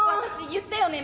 言ったよね？